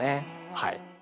はい。